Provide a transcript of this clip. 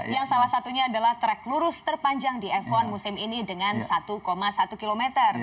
yang salah satunya adalah track lurus terpanjang di f satu musim ini dengan satu satu km